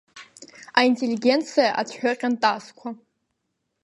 Аинтеллигенциа, ацәҳәы-ҟьантазқәа.